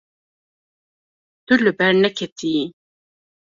Tu li ber neketiyî.